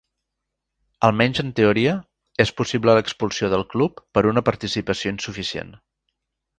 Almenys en teoria, és possible l'expulsió del club per una participació insuficient.